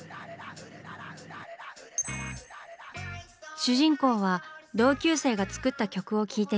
主人公は同級生が作った曲を聴いてみます。